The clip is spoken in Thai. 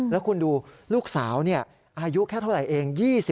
แล้วคุณดูลูกสาวอายุแค่เท่าไหร่เอง